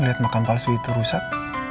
lihat makam palsu itu rusak